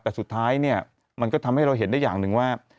แต่สุดท้ายเนี่ยมันก็ทำให้เราเห็นได้อย่างหนึ่งว่า